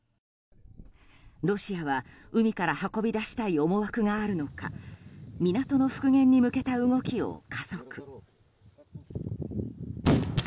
ロシアは、海から運び出したい思惑があるのか港の復元に向けた動きを加速。